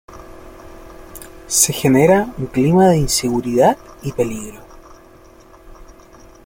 Se genera un clima de inseguridad y peligro.